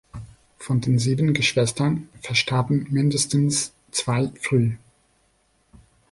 Von den sieben Geschwistern verstarben mindestens zwei früh.